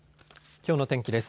きょうの天気です。